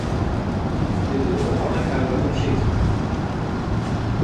Γιατί δεν τα πάμε καλά με τους εκεί!